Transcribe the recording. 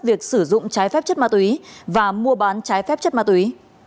việc sử dụng trái phép chất ma túy và mua bán trái phép chất ma túy